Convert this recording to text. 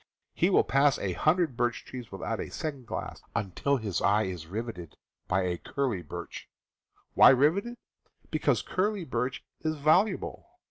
He will pass a hundred birch trees without a second glance, until his eye is riveted by a curly birch. Why riveted ? Because curly birch is valuable.